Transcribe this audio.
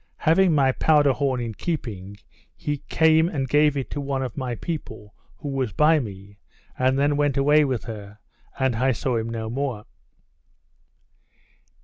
Having my powder horn in keeping, he came and gave it to one of my people who was by me, and then went away with her, and I saw him no more.